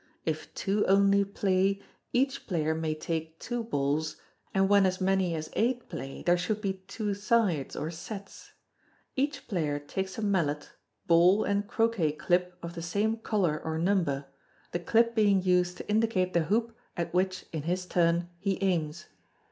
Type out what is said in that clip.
If two only piay, each player may take two balls, and when as many as eight play, there should be two sides or sets. Each player takes a mallet, ball, and croquet clip of the same colour or number, the clip being used to indicate the hoop at which, in his turn, he aims.